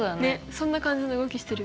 そんな感じの動きしてるよね。